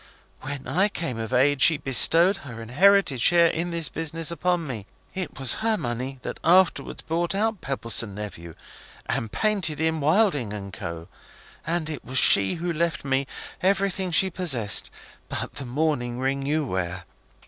When I came of age, she bestowed her inherited share in this business upon me; it was her money that afterwards bought out Pebbleson Nephew, and painted in Wilding and Co.; it was she who left me everything she possessed, but the mourning ring you wear.